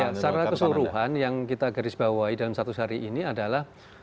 ya secara keseluruhan yang kita garis bawahi dalam satu hari ini adalah